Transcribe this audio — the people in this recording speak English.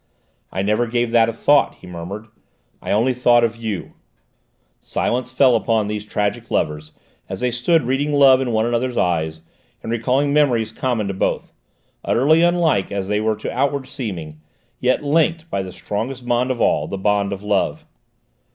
"I never gave that a thought," he murmured. "I only thought of you!" Silence fell upon these tragic lovers as they stood reading love in one another's eyes, and recalling memories common to both, utterly unlike as they were to outward seeming, yet linked by the strongest bond of all, the bond of love.